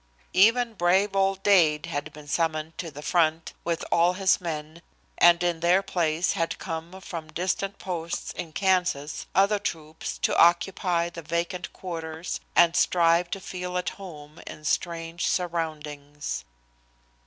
Even brave old Dade had been summoned to the front, with all his men, and in their place had come from distant posts in Kansas other troops to occupy the vacant quarters and strive to feel at home in strange surroundings.